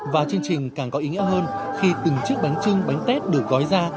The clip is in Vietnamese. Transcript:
và chương trình càng có ý nghĩa hơn khi từng chiếc bánh trưng bánh tết được gói ra